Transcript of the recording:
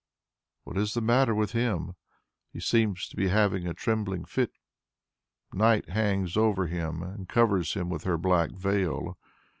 What is the matter with him? He seems to be having a trembling fit. Night hangs over him and covers him with her black veil.